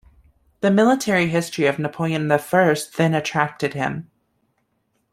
The military history of Napoleon the First then attracted him.